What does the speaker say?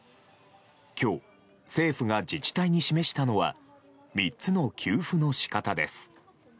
今日、政府が自治体に示したのは３つの給付の仕方です。